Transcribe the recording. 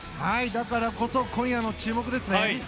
だからこそ今夜も注目ですね。